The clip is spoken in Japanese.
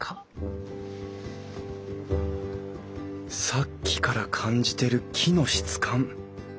さっきから感じてる木の質感